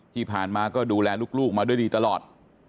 ที่ผ่านมาก็ดูแลลูกมาด้วยดีตลอด